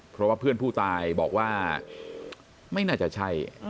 เพราะว่าเพื่อนผู้ตายบอกว่าไม่น่าจะใช่